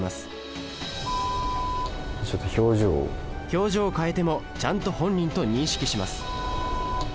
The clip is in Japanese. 表情を変えてもちゃんと本人と認識します。